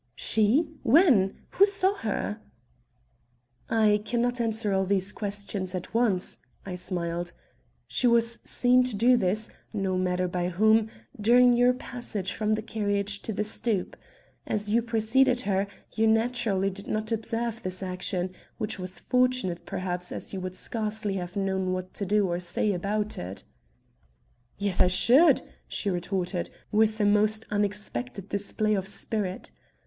"She? When? Who saw her?" "I can not answer all these questions at once," I smiled. "She was seen to do this no matter by whom, during your passage from the carriage to the stoop. As you preceded her, you naturally did not observe this action, which was fortunate, perhaps, as you would scarcely have known what to do or say about it." "Yes I should," she retorted, with a most unexpected display of spirit.